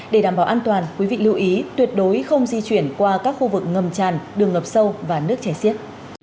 để đảm bảo an toàn quý vị lưu ý tuyệt đối không di chuyển qua các khu vực ngầm tràn đường ngập sâu và nước chảy xiết